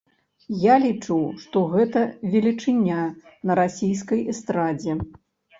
Я лічу, што гэта велічыня на расійскай эстрадзе.